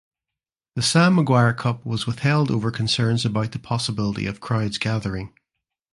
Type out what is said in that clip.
The Sam Maguire Cup was withheld over concerns about the possibility of "crowds gathering".